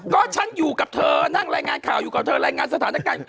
ก็ฉันอยู่กับเธอนั่งรายงานข่าวอยู่กับเธอรายงานสถานการณ์